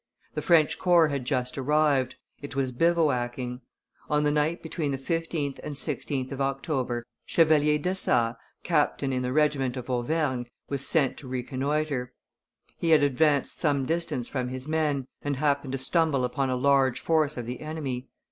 The French corps had just arrived; it was bivouacking. On the night between the 15th and 16th of October, Chevalier d'Assas, captain in the regiment of Auvergne, was sent to reconnoitre. He had advanced some distance from his men, and happened to stumble upon a large force of the enemy.